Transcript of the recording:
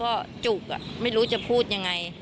ก็จุกไม่รู้จะพูดยังไง